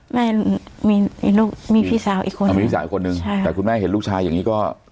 แม่มีมีลูกมีพี่สาวอีกคนมีพี่สาวคนนึงใช่แต่คุณแม่เห็นลูกชายอย่างนี้ก็